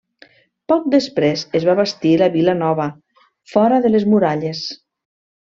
Poc després es va bastir la Vila Nova, fora de les muralles.